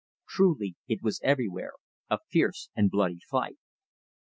Truly it was everywhere a fierce and bloody fight.